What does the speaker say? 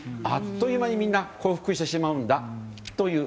あっという間にみんな降伏してしまうんだと。